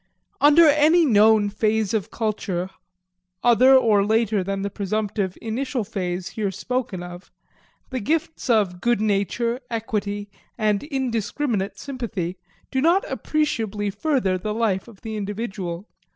Under any known phase of culture, other or later than the presumptive initial phase here spoken of, the gifts of good nature, equity, and indiscriminate sympathy do not appreciably further the life of the individual.